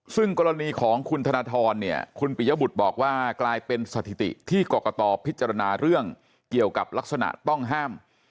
ซึ่งกรณีของคุณธนทรเนี่ยคุณปิยบุตรบอกว่ากลายเป็นสถิติที่กรกตพิจารณาเรื่องเกี่ยวกับลักษณะต้องห้าม